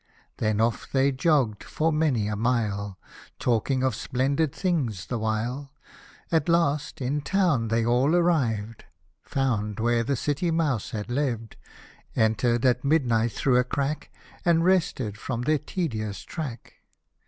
Then off they jogg'd for many a mile, Talking of splendid things the while ; At last, in town they all arriv'd Found where the city mouse had liv'd Enter'd at midnight through a crack, And rested from their tedious track.